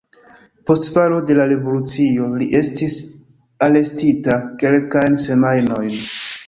Post falo de la revolucio li estis arestita kelkajn semajnojn.